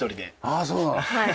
ああそうなの。